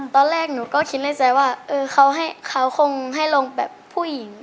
ตอนแรกหนูก็คิดในใจว่าเขาคงให้ลงแบบผู้หญิง